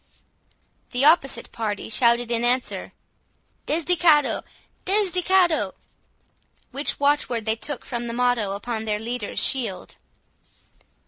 The opposite party shouted in answer—"Desdichado! Desdichado!"—which watch word they took from the motto upon their leader's shield.